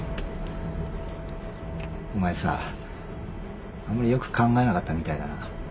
お前さあんまりよく考えなかったみたいだな。